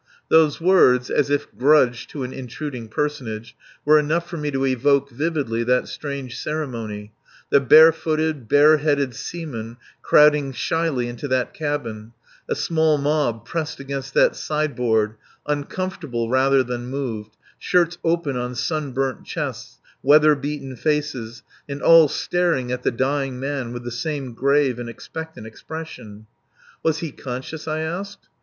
Those words, as if grudged to an intruding personage, were enough for me to evoke vividly that strange ceremony: The bare footed, bare headed seamen crowding shyly into that cabin, a small mob pressed against that sideboard, uncomfortable rather than moved, shirts open on sunburnt chests, weather beaten faces, and all staring at the dying man with the same grave and expectant expression. "Was he conscious?" I asked.